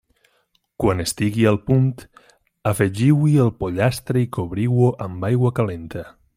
Quan estigui al punt, afegiu-hi el pollastre i cobriu-ho amb aigua calenta.